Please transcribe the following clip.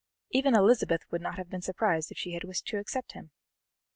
Even Elizabeth would not have been surprised if she had wished to accept him!